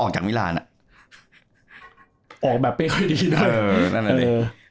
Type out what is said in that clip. ออกจากมีลันด์น่ะออกแบบไปค่อยดีนะเออนั่นแหละนี่เออ